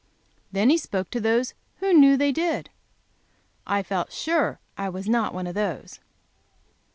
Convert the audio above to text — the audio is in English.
Then he spoke to those who knew they did. I felt sure I was not one of those.